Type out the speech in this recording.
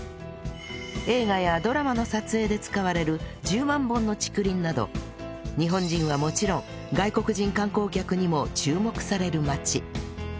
映画やドラマの撮影で使われる１０万本の竹林など日本人はもちろん外国人観光客にも注目される街